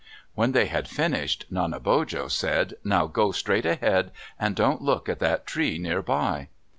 When they had finished, Nanebojo said, "Now go straight ahead and don't look at that tree near by."